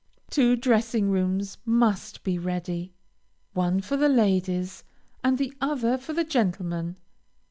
Two dressing rooms must be ready; one for the ladies, and the other for the gentlemen.